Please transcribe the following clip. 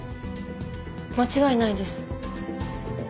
間違いないです。